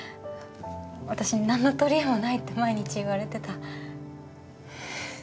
私何の取り柄もないって毎日言われてた。